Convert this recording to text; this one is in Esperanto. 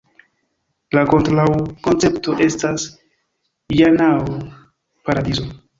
La kontraŭa koncepto estas Ĝanaho (paradizo).